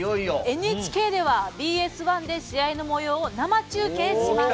ＮＨＫではＢＳ１で試合のもようを生中継します。